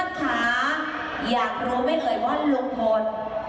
เอฟซีทุกท่านค่ะอยากรู้ไม่เคยว่าลุงพล